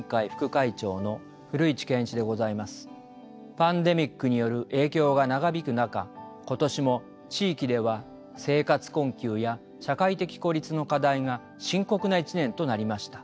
パンデミックによる影響が長引く中今年も地域では生活困窮や社会的孤立の課題が深刻な一年となりました。